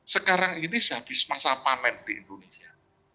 sekarang ini habis masa pamit di indonesia